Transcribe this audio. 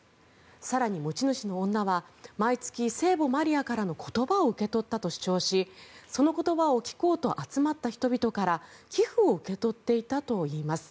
更に、持ち主の女は毎月、聖母マリアから言葉を受け取ったと主張しその言葉を聞こうと集まった人々から寄付を受け取っていたといいます。